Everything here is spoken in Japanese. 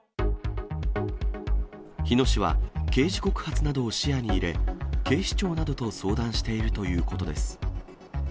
日野市は刑事告発などを視野に入れ、警視庁などと相談しているということです。